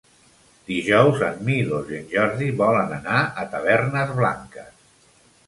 Dijous en Milos i en Jordi volen anar a Tavernes Blanques.